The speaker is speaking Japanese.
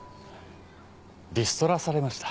リストラされました